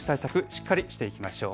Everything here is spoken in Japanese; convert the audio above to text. しっかりしていきましょう。